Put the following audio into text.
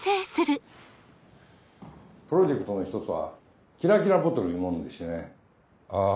プロジェクトの一つはキラキラボトルいうものでしてね。